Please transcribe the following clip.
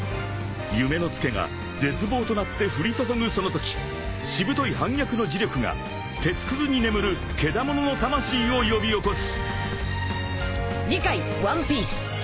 ［夢のツケが絶望となって降り注ぐそのときしぶとい反逆の磁力が鉄くずに眠るけだものの魂を呼び起こす！］